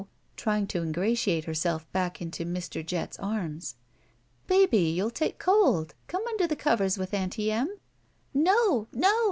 Trjring to ingratiate herself back into Mr. Jett's arms. "Baby, youTl take cold. Come under covers with Aunty Em?" "No! No!